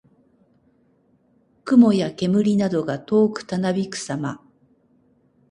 雲や煙などが遠くたなびくさま。